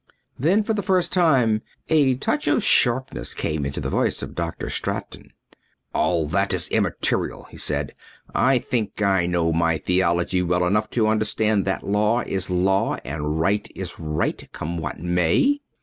Then for the first time a touch of sharpness came into the voice of Dr. Straton. "All that is immaterial," he said. "I think I know my theology well enough to understand that law is law and right is right, come what may."